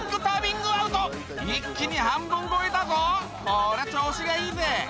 ングアウト一気に半分超えだぞこりゃ調子がいいぜ！